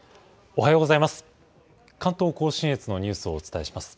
おはようございます。